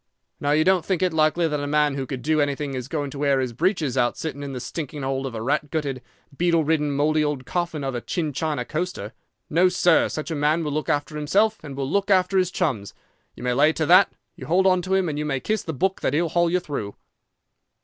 _ Now, you don't think it likely that a man who could do anything is going to wear his breeches out sitting in the stinking hold of a rat gutted, beetle ridden, mouldy old coffin of a China coaster. No, sir, such a man will look after himself and will look after his chums. You may lay to that! You hold on to him, and you may kiss the book that he'll haul you through."